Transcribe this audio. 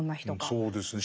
うんそうですね。